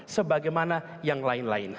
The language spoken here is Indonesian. sebagaimana yang lain lain